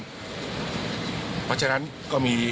เพราะฉะนั้นก็มี